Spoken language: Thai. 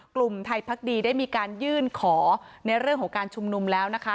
กลุ่มไทยพักดีได้มีการยื่นขอในเรื่องของการชุมนุมแล้วนะคะ